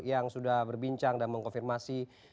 yang sudah berbincang dan mengkonfirmasi